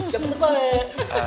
jangan pak ya